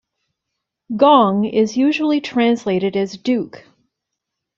"Gong" is usually translated as "duke".